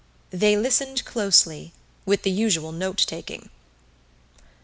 They listened closely, with the usual note taking.